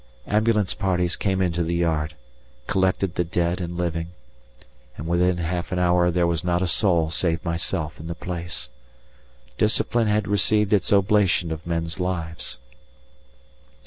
Ambulance parties came into the yard, collected the dead and living, and within half an hour there was not a soul save myself in the place. Discipline had received its oblation of men's lives.